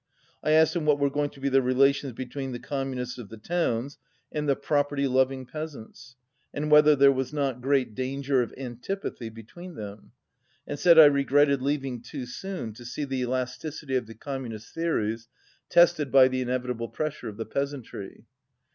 I asked him what were going to be the relations between the Communists of the towns and the property loving peasants, and whether there was not great danger oi antipathy between them, and said I re gretted leaving too soon to see the elasticity of 228 the Communist theories tested by the inevitable pressure of the peasantry.